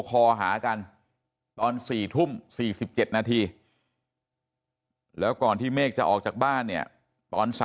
คอหากันตอน๔ทุ่ม๔๗นาทีแล้วก่อนที่เมฆจะออกจากบ้านเนี่ยตอน๓